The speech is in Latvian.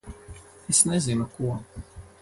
Es nezinu ko...